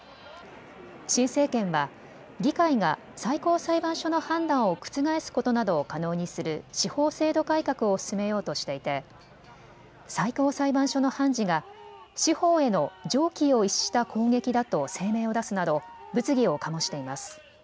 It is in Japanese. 新政権は議会が最高裁判所の判断を覆すことなどを可能にする司法制度改革を進めようとしていて、最高裁判所の判事が司法への常軌を逸した攻撃だと声明を出すなど物議を醸しています。